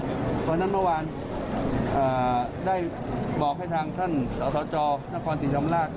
เพราะฉะนั้นเมื่อวานได้บอกให้ทางท่านสสจนครศรีธรรมราช